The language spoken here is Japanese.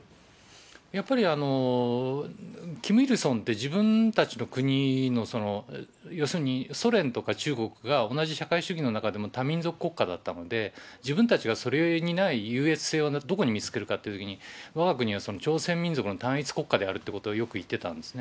やっぱり、キム・イルソンって、自分たちの国の、要するにソ連とか中国が同じ社会主義の中でも、多民族国家だったので、自分たちがそれにない優越性をどこに見つけるかというときに、わが国は朝鮮民族の単一国家であるということをよく言ってたんですね。